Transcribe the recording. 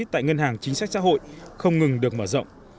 tại ngân hàng chính sách xã hội không ngừng được mở rộng